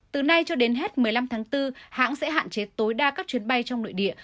từ nay cho đến hết một mươi năm tháng bốn hãng sẽ hạn chế tối đa các chuyến bay trong nội địa